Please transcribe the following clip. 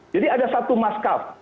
jadi ada satu maskap